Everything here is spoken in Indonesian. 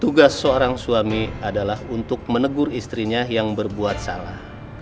tugas seorang suami adalah untuk menegur istrinya yang berbuat salah